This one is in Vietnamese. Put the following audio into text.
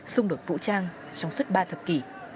xung đột vũ trang trong suốt ba thập kỷ